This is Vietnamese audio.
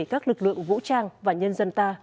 các lực lượng vũ trang và nhân dân ta